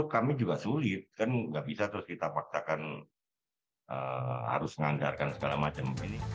sudah sulit kan tidak bisa terus kita paksakan harus mengandalkan segala macam